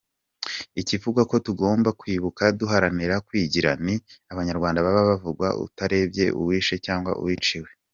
Ikivugwa ko tugomba kwibuka duharanira kwigira, ni Abanyarwanda baba bavugwa utarebye uwishe cyangwa uwiciwe.